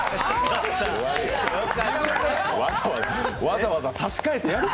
わざわざ差し替えてやる？